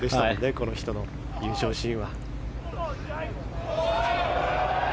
この人の優勝シーンは。